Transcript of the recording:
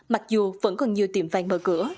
mặc dù vẫn còn nhiều tiệm vàng mở cửa